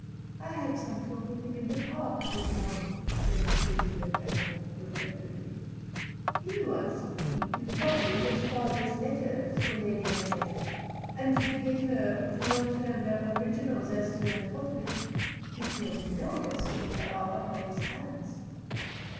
"I had some talk with him in the Park this morning," said Julie Le Breton, reflectively. "He wants me to copy his father's letters for Lady Henry, and to get her to return the originals as soon as possible. He feels nervous when they are out of his hands."